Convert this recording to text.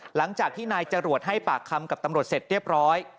หลังจากที่นายจรวดให้ปากคำกับตำรวจเสร็จเรียบร้อย